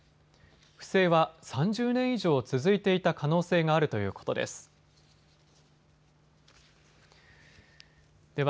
不正は３０年以上続いていた可能性があるということです。